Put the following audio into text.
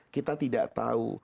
kita tidak tahu